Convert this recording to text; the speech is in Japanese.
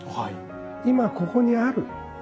今ここにある。